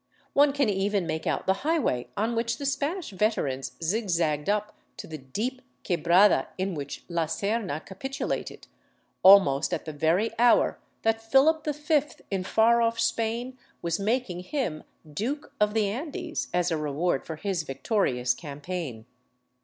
One can even make out the highway on which the Spanish veterans zigzagged up to the deep quebrada in which La Serna capitulated, almost at the very hour that Phillip V in far off Spain was making him '* Duke of the Andes " as a reward for his victorious campaign.